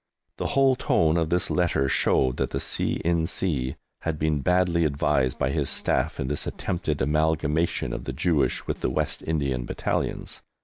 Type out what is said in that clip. The whole tone of this letter showed that the C. in C. had been badly advised by his Staff in this attempted amalgamation of the Jewish with the West Indian Battalions.